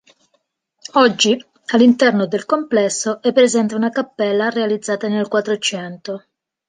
Oggi all'interno del complesso è presente una cappella realizzata nel Quattrocento.